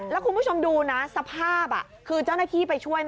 แล้วคุณผู้ชมดูนะสภาพคือเจ้าหน้าที่ไปช่วย